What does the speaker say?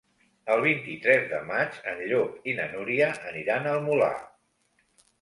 El vint-i-tres de maig en Llop i na Núria aniran al Molar.